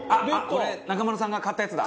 これ中丸さんが買ったやつだ！